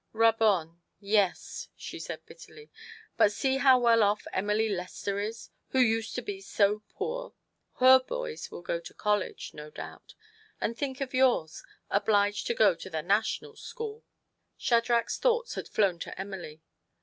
" Rub on yes," she said bitterly. " But see how well off Emmy Lester is, who used to be so poor ! Her boys will go to college, no doubt; and think of yours obliged to go to the National School !" 122 TO PLEASE HIS WIFE. Shadrach's thoughts had flown to Emily.